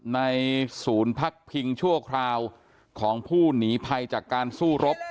ในศูนย์พักพิงชั่วคราวของผู้หนีภัยจากการสู้รบ